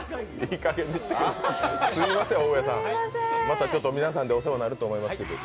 すみません、大上さん、また皆さんでお世話になると思います。